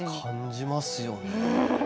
感じますよね。